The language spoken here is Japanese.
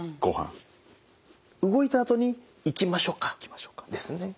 動いたあとに「行きましょうか」ですね。